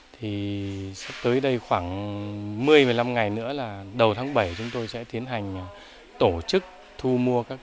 thì tới đây khoảng một mươi một mươi năm ngày nữa là đầu tháng bảy chúng tôi sẽ tiến hành tổ chức thu mua các